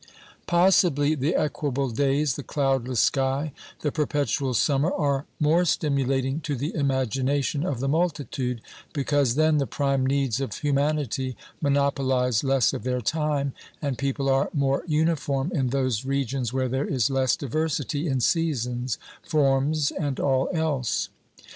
Possibly the equable days, the cloudless sky, the per petual summer are more stimulating to the imagination of the multitude, because then the prime needs of humanity monopolise less of their time, and people are more uniform in those regions where there is less diversity in seasons, forms and all else.